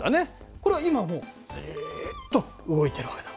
これは今もずっと動いてるわけだ。